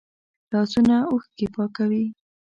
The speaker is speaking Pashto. لاسونه اوښکې پاکوي